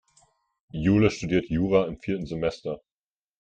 Jule studiert Jura im vierten Semester.